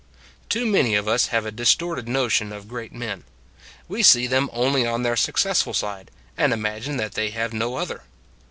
Too many of us have a distorted notion of great men : we see them only on their successful side, and imagine that they have no other.